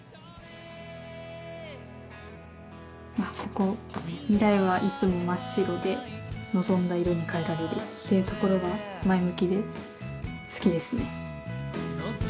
あここ「未来はいつも真っ白で望んだ色に変えられる」っていうところが前向きで好きですね。